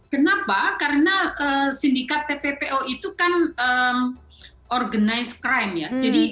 kenapa karena sindikat tppo itu kan organized crime ya